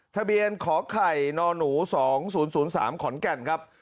ทะเบียนขอไข่นหนูสองศูนย์ศูนย์สามขอนแก่นครับ